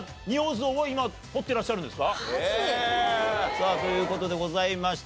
さあという事でございまして。